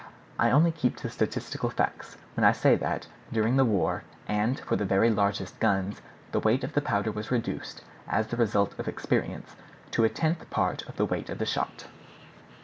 I only keep to statistical facts when I say that, during the war, and for the very largest guns, the weight of the powder was reduced, as the result of experience, to a tenth part of the weight of the shot."